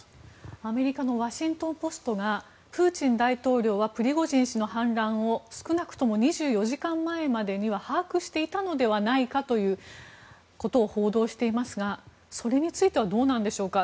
アメリカのワシントン・ポストがプーチン大統領はプリゴジン氏の反乱を少なくとも２４時間前までには把握していたのではないかということを報道していますがそれについてはどうなんでしょうか。